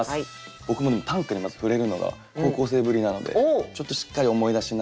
僕も短歌にまず触れるのが高校生ぶりなのでちょっとしっかり思い出しながら。